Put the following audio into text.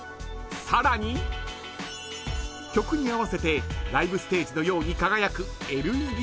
［さらに曲に合わせてライブステージのように輝くＬＥＤライトを搭載］